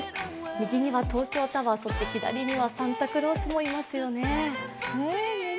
右には東京タワー、そして左にはサンタクロースもいますよね。